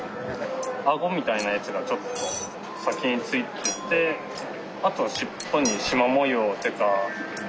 あごみたいなやつがちょっと先についててあとはしっぽにシマ模様っていうか。